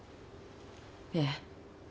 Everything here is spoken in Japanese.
ええ。